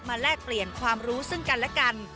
แลกเปลี่ยนความรู้ซึ่งกันและกัน